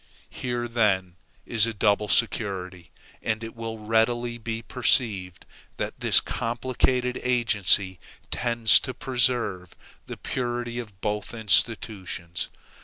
Here then is a double security; and it will readily be perceived that this complicated agency tends to preserve the purity of both institutions.